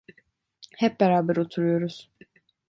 Hep beraber oturuyoruz.